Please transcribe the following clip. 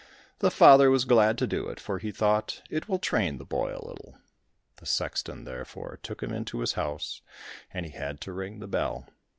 The father was glad to do it, for he thought, "It will train the boy a little." The sexton therefore took him into his house, and he had to ring the bell.